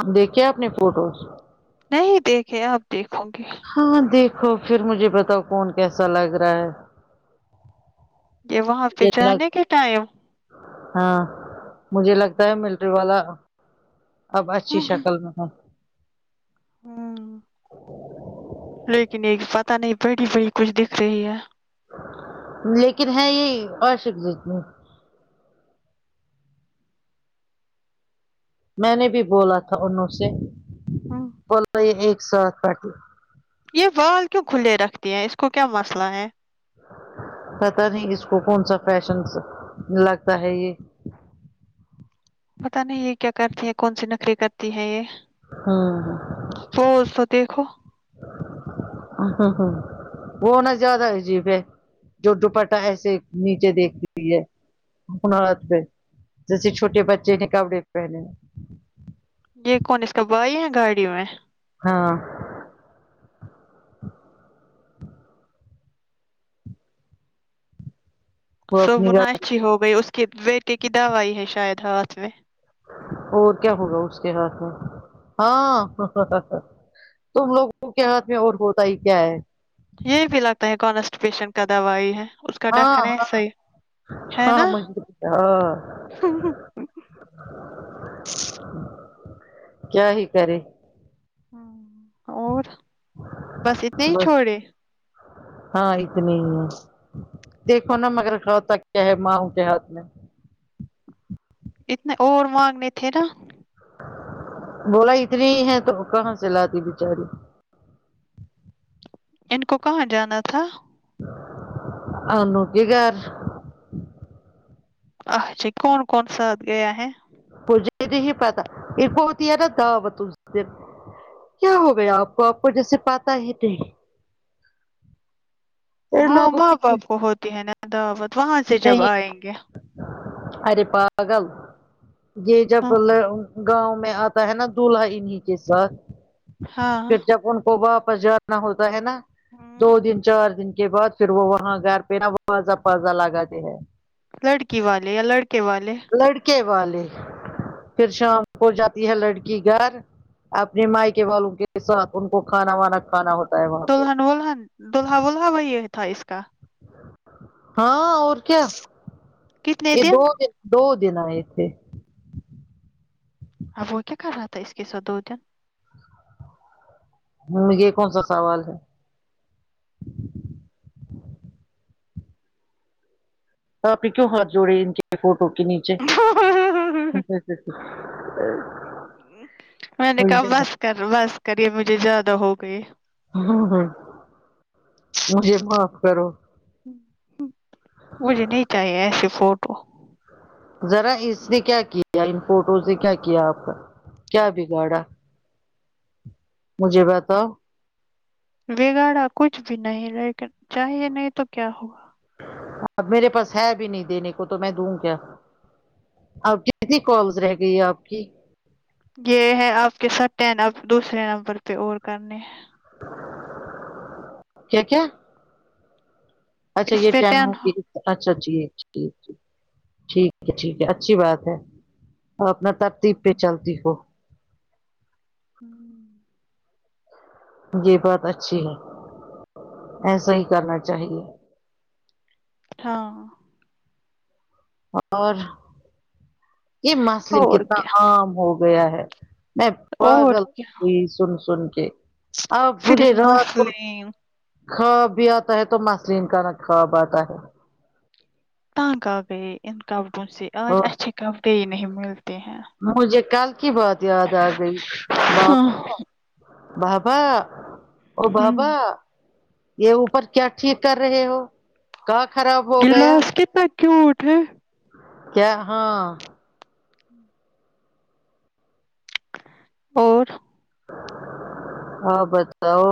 اب دیکھے اپنی فوٹوز نہیں دیکھے آپ دیکھونگی گے ہاں دیکھو پھر مجھے بتاؤ کون کیسا لگ رہا ہے یہ وہاں پہ مجھے لگ جانے کے ٹائم ہاں مجھے لگتا ہے ملٹری والا اب اچھی شکل میں ہاں ہوں لیکن ایک پتہ نہیں بڑی بڑی کچھ دکھ رہی ہے لیکن ہے یہ اور عشق زوکو میں نے بھی بولا تھا انوں سے ہوں بلا [unintelligible] ایک ساتھ تٹی یہ بال کیوں کھلے رکھتے ہیں اس کو کیا مسئلہ ہے پتہ نہیں اس کو کون سا فیشن سہ لگتا ہے یہ پتا نہیں یہ کیا کرتی ہے کون سے نکھرے کرتی ہے یہ پوز تو دیکھو ہوں ہ ہ وہ نہ زیادہ عجیب ہے جو دوپٹا ایسے نیچے دیکھتی ن [unintelligible] عت پہ جیسے چھوٹے بچے نے کپڑے پہنے ہیں یہ کون اس کا بھائی ہے گاڑی میں ہاں وہ تو اپنی مونا گاڑی اچھی ہو گئی اس کے بیٹے کی دوائی ہے شاید ہاتھ میں اور کیا ہوگا اس کے ہاتھ میں ہاں تم لوگوں کے ہاتھ میں اور ہوتا ہی کیا ہے یہ بھی لگتا ہے کوانسٹپیشن کا دوائی ہے اس کا ہاں ڈھکن ایسا ہاں ہی ہے ہاں نا ہاں کیا ہی کرے اور بس اتنے ہی بس چھوڑے ہاں اتنے ہی دیکھو نا مگر [unintelligible] ماؤ کے ہاتھ میں اتنے اور مانگنے تھے نا بولا اتنی ہی ہے تو کہاں سے لاتی بچاری ان کو کہاں جانا تھا آ نوکے گھر اچ جی کون کون ساتھ گیا ہے مجھے نہی پتا ایک کوتی ہے [unintelligible] کیا ہو گیا آپ کو آپ کو جیسے پاتا ہے تھے ان ہاں لوگوں ماں کی باپ کو ہوتی ہے [unintelligible] وہاں سے جب نہیں آئیں گے ارے پاگل یہ جب ہاں گاؤں میں آتا ہے نا دولہا انہیں کے ساتھ ہاں پھر جب ان کو واپس جاتا ہوتا ہے نا دو ہوں دن چار دن کے بعد پھر وہ وہاں گھر پہ نا وازا پازا لگ جاتی ہے لڑکی والے یا لڑکے والے لڑکے والے پھر شام ہو جاتی ہے لڑکی گھر اپنے مائ کے والوں کے ساتھ ان کو کھانا وانا کھانا ہوتا ہے وہاں پہ دلہن ولہن دلہا ولہا وہ یہ تھا اس کا ہاں اور کیا یہ دو دن دو دن آئے تھے اب وہ کیا کر رہا تھا اس کے ساتھ دو دن ہوں یہ کونسا سوال ہے آپ ہی کیوں ہاتھ جوڑے ان کے فوٹو کے نیچے [unintelligible] میں نے کہا مجھے بس کر بس کرے مجھے زیادہ ہو گئی ہ ہ مجھے معاف کرو مجھے نہیں چاہیے ایسے فوٹو ذرا اس نے کیا کیا ان فوٹو سے کیا کیا آپ کا کیا بگاڑا مجھے بتاؤ بگاڑا کچھ بھی نہیں لیکن چاہیے نہیں تو کیا ہوا میرے پاس ہے بھی نہیں دینے کو تو میں دوں کیا آپ کی کتنی کالس رہ گئی ہے آپ کی یہ ہے آپ کے سات ٹن اب دوسرے نمبر پہ اور کرنے کیا کیا اچھا اس یہ پہ ٹن ہو ٹین اچھا جی ج ج ٹھیک ہے ٹھیک ہے اچھی بات ہے اور اپنا ترتیب پہ چلتی ہو ہوں یہ بات اچھی ہے ایسا ہی کرنا چاہیے ہاں اور یہ مثل اور کتنا کیا عام ہو گیا ہے میں اور پگل کیا ہوئی سن سن کے آب مجھے صرف رات کو مسئلے خواب بھی آتا ہے تو مسلین کا ن خواب آتا ہے تانگ آ گئی ان کپڑوں سے آج اور اچھے کپڑے ہی نہیں ملتے ہیں مجھے کل کی بات یاد آ گئی ہاں بابو بابا و ہوں بابا یہ اوپر کیا ٹھیک کر رہے ہو کا خراب ہو گیا گلاس کتنا کیوٹ ہے کیا ہاں اور ہاں بتاؤ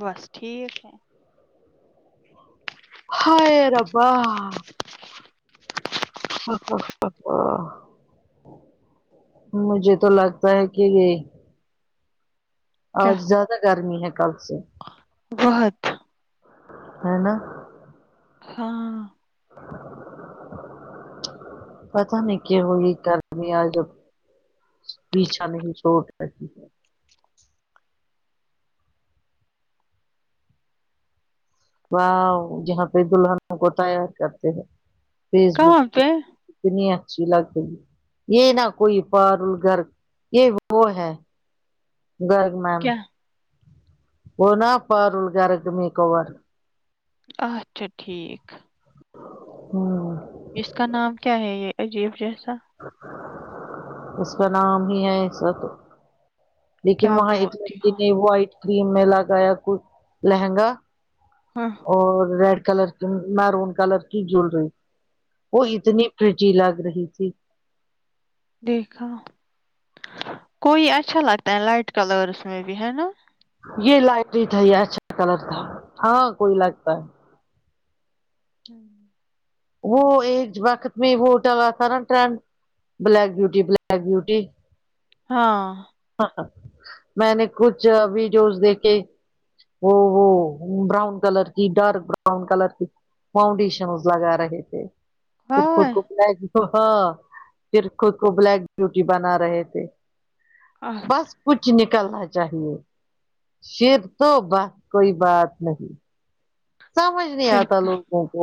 بس ٹھیک ہے ہائے ربا ابہ ابہ مجھے تو لگتا ہے کہ یہ کیا آج زیادہ گرمی ہے کل سے بہت ہے نہ ہاں پتا نہیں کیو ہوی گرمی آج پیچھا نہیں چھوڑ رہے ہے وو جہاں پہ دلہن کو تیار کرتے ہیں فیس بک کہاں پہ اتنی اچھی لگتی یہ نہ کوئی پارل گرگ یہ وہ ہے گرگ میں کیا وہ نہ پارول گرک میک اوور اچھا ٹھیک ہ اس کا نام کیا ہے یہ عجیب جیسا اس کا نام ہی ہے ایسا تو لیکن کیا وہاں ایک بولتی لڑکی ہو نے وائٹ کریم میں لگایا کچھ لہنگا ہاں اور ریڈ کلر کی میرون کلر کی جولری وہ اتنی پریٹی لگ رہی تھی دیکھا کوئی اچھا لگتا ہے لائٹ کلرس میں بھی ہے نا یہ لائٹ ہی تھا یہ اچھا کلر تھا ہاں کوئی لگتا ہے [inaudible] وہ ایک وقت میں وہٹل آ تھا نا trend black beauty black beauty ہاں میں نے کچھ ویڈیوز دیکھیں ہو ہو براؤن کلر کی ڈارک براؤن کلر کی فاؤنڈیشنز لگا رہے تھے پھر خود ہاں کو بلیک ہاں پھر خود کو بلیک بیوٹی بنا رہے تھے آہ، بس کچھ نکلنا چاہیے شر تو بس کوئی بات نہیں سمجھ نہیں پھر آتا لوگوں کو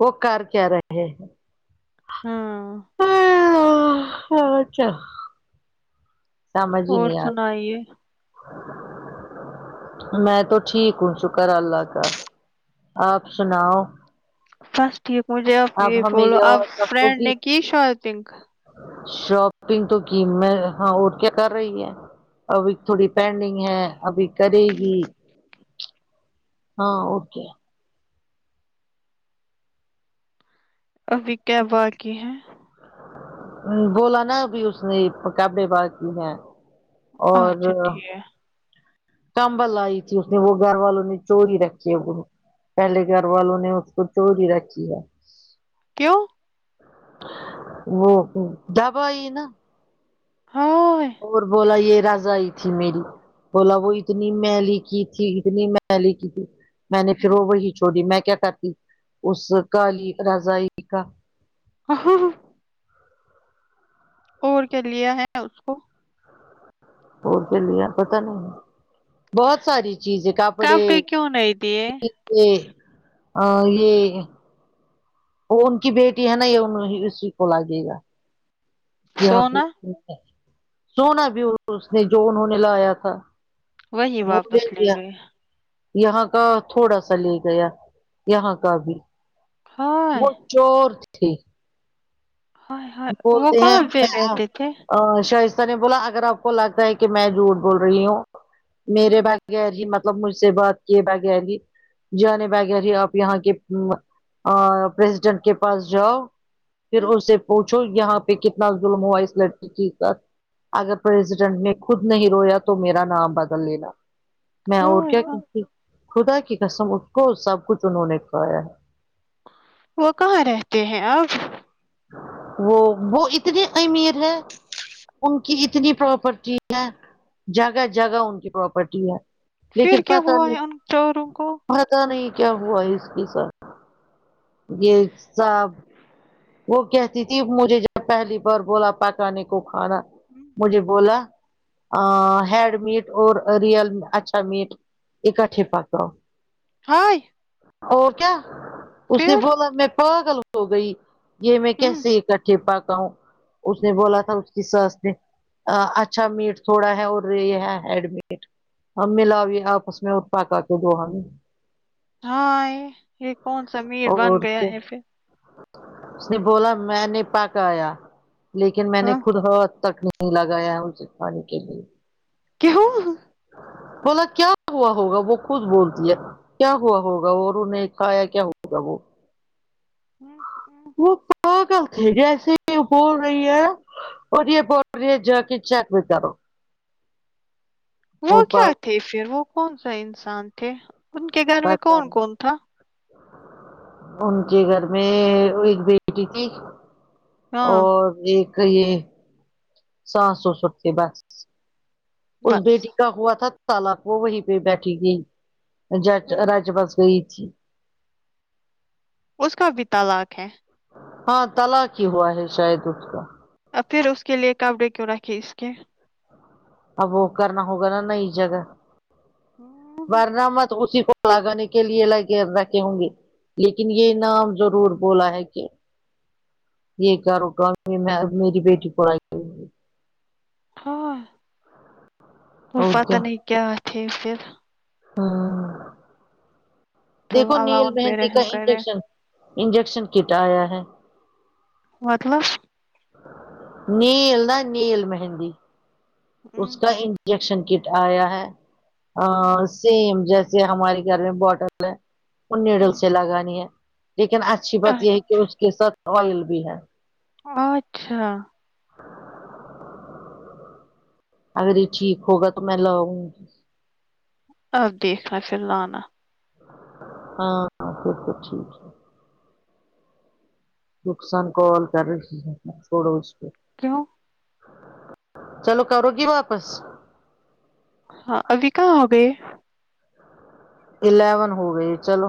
وہ کر کیا رہے ہیں ہاں اچھا سمجھ ہی نہیں آ آئیے [inaudible] میں تو ٹھیک ہوں شکر اللہ کا آپ سناؤ بس ٹھیک مجھے اپ اب یہ ہمیں بولو آپ یاد رکھو فرینڈ کہ نے کی شاپنگ شاپنگ تو قمت ہاں اور کیا کر رہی ہے ابھی تھوڑی پینڈنگ ہے ابھی کریے گی ہاں اوکے ابھی کیا باقی ہے بولا نا ابھی اس نے کبے باز کی ہیں اور اچھا ٹھیک ہے کمبل لائی تھی اس نے وہ گھر والوں نے چوری رکھی ہے وہ پہلے گھر والوں نے اس کو چوری رکھی ہے کیوں وہ ڈب آئی نا ہائے اور بولا یہ رضائی تھی میری بولا وہ اتنی میلی کی تھی اتنی ملی کی تھی میں نے پھر وہ وہی چھوڑی میں کیا کرتی اس کالی رضائی کا اور کیا لیا ہے اس کو ہو چلیا پتا نہیں بہت ساری چیزیں کپڑے کیوں نہیں دیے یہ ا یہ وہ ان کی بیٹی ہے نا یہ اسی کو لگے گا یہاں پ سونا سونا بھی اس نے جو انہوں نے لایا تھا وہی م بھی واپس لے دیا گئے یہاں کا تھوڑا سا لے گیا یہاں کا بھی ہائے وہ چور تھی ہائے ہائے وہ بولتے ہیں کہاں پہ رہتے تھے ا شائستہ نے بولا اگر آپ کو لگتا ہے کہ میں جھوٹ بول رہی ہوں میرے ہوں بھائی بغیر ہی مطلب مجھ سے بات کیے بغیر ہی جانے بغیر ہی آپ یہاں کے پریسیڈنٹ کے پاس جاؤ پھر ہوں، اس سے پوچھو یہاں پہ کتنا ظلم ہوا اس لڑکی کے ساتھ اگر پریزیڈنٹ نے خود نہیں رویا تو میرا نام بدل لینا میں اور ہائے کیا ہائے خدا کی قسم اس کو سب کچھ انہوں نے کھایا ہے وہ کہاں رہتے ہیں اب وہ وہ اتنی امیر ہے ان کی اتنی پراپرٹی ہے جگہ جگہ ان کی پراپرٹی ہے پھر لیکن کیا پتہ ہوا ہے نہیں ان چوروں کو پتاہ نہیں کیا ہوا اس کے ساتھ یہ ساب وہ کہتی تھی مجھے جب پہلی بار بولا پکانے کو کھانا ہم، مجھے بولا ہیڈ میٹ اور ریئل اچھا میٹ ایکاٹھے پکاؤ ہائے اور کیا اس نے پھر بولا میں پاگل ہو گئی یہ میں ہم کیسے اکٹھے پکاؤں اس نے بولا تھا اس کی ساس نے اچھا میٹ تھوڑا ہے اور یہ ہے ہیڈ میٹ ا ملا بھییے آپس میں اور پکا کے د ہمیں ہاں یہ یہ کون سا مییر بن اور گیا اسے اس نے بولا میں نے پاکا یا لیکن میں نے ہاں خود ہو ہات تک نہیں لگایا ہے اسے پانی کے لیے کیوں بولا کیا ہوا ہوگا وہ خود بولتی ہے کیا ہوا ہوگا اور انہیں کھایا کیا ہوگا وہ ہوں ا غلط ہے جیسے بول رہی ہے ارے باپ رے جاکے چیک بھی کرو وہ کیا تھے پھر وہ کون سا انسان تھے ان کے گھر میں پتا کون کون تھا ان کے گھر میں ایک بیٹی تھی ہاں اور ایک یہ ساتسو سوٹ کے بس اس بس بیٹی کا ہوا تھا تلاق وہ وہیں پہ بیٹھی تھی جج ہم، رج بس گئی تھی اس کا بھی طلاق ہے ہاں طلاق ہی ہوا ہے شاید اس کا اب پھر اس کے لیے کپڑے کیوں رکھے اس کے اب وہ کرنا ہوگا نا نئی جگہ [unintelligible] ورنہ مت اسی کو لگانے کے لیے لگ رکھے ہوں گے لیکن یہ نام ضرور بولا ہے کہ یہ کر رٹا میری بیٹی [unintelligible] ہاں وہ اور پتا نہیں کیا تھے پھر ہاں تو دیکھو اللہ نیل ان پہ مہیند کا رحم کرے انجیکشن انجیکشن کٹ آیا ہے مطلب نیل نا نیل مہندی اس ہم، کا ان جیکشن کٹ آیا ہے ہم، سیم جیسے ہمارے گھر میں بوٹل ہے وہ ہم نیوڈلس سے لگانی ہے لیکن اچھی بات یہ اچ- ہے کہ اس کے ساتھ آئل بھی ہے اچھا اگر یہ ٹھیک ہوگا تو میں لاؤں گی اب دیکھنا پھر لانا ہاں ٹھیک ہے نقصان کال کر چوڑو اس کیوں چلو کرو گی واپس ہاں ابھی کہاں ہوگے الیون ہو رہے چلو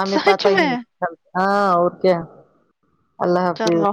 ہمیں سچ پتہ ہی میں نہیں چل ہاں اور کیا اللہ حافظ چلو